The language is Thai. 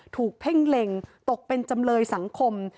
เพ่งเล็งตกเป็นจำเลยสังคม